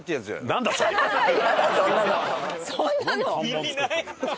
意味ない。